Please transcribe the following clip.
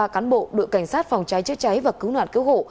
ba cán bộ đội cảnh sát phòng cháy chữa cháy và cứu nạn cứu hộ